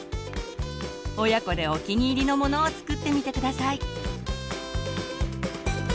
親子でお気に入りのものを作ってみて下さい。